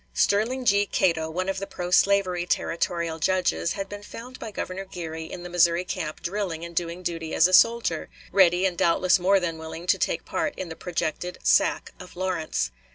Sterling G. Cato, one of the pro slavery territorial judges, had been found by Governor Geary in the Missouri camp drilling and doing duty as a soldier, ready and doubtless more than willing to take part in the projected sack of Lawrence.